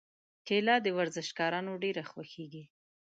کېله د ورزشکارانو ډېره خوښېږي.